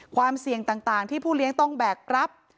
ความเสี่ยงต่างที่ผู้เลี้ยงต้องแบกรับ